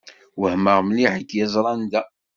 Wehmeɣ mliḥ i k-yeẓran da.